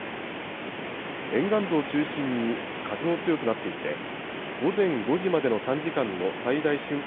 沿岸部を中心に風も強くなっていて、午前５時までの３時間の最大瞬間